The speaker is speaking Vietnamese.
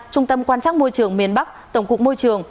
trung tâm quan chắc môi trường miền bắc tổng cục môi trường